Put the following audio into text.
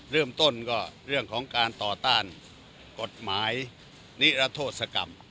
เริ่มต้นก็เรื่องของการต่อต้านกฎหมายนิรโทษกรรม